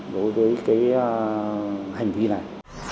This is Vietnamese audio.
và hành vi này